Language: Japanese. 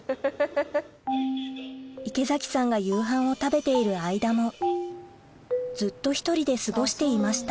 池崎さんが夕飯を食べている間もずっと１人で過ごしていました